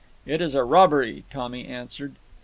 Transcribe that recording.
"It is a robbery," Tommy answered.